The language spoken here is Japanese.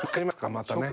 またね。